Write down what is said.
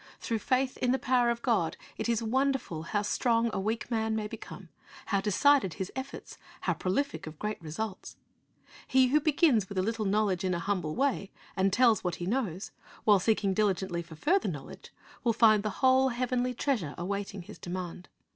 Through faith in the power of God, it is wonderful how strong a weak man may become, how decided his efforts, how prolific of great results. He who begins with a little knowledge, in a humble way, and tells what he knows, while seeking diligently for further knowledge, will find the whole heavenly treasure awaiting his demand.